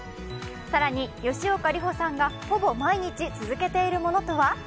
更に、吉岡里帆さんがほぼ毎日続けているものとは？